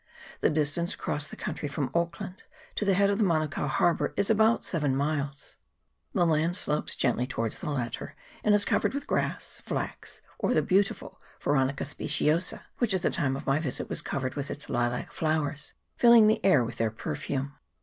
The distance across the country from Auckland to the head of Manukao Harbour is about seven miles ; the land slopes gently towards the latter, and is covered with grass, flax, or the beautiful Veronica speciosa, which at the time of my visit was covered with its lilac flowers, filling the air with their perfume.